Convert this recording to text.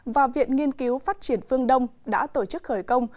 và viện nghiên cứu phát triển phương đông đã tổ chức khởi công